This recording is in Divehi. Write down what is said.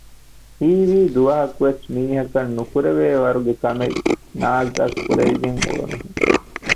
ހީވީ ދުވަހަކުވެސް މީހަކަށް ނުކުރެވޭވަރުގެ ކަމެއް ނާޒްއަށް ކުރެވިގެން އުޅުނުހެން